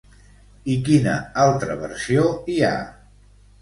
I quina altra versió hi ha?